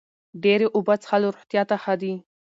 ډېرې اوبه څښل روغتیا ته ښه دي.